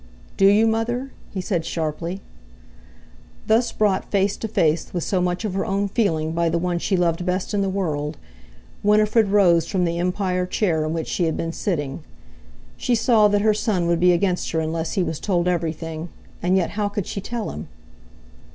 "Do you, Mother?" he said sharply. Thus brought face to face with so much of her own feeling by the one she loved best in the world, Winifred rose from the Empire chair in which she had been sitting. She saw that her son would be against her unless he was told everything; and, yet, how could she tell him?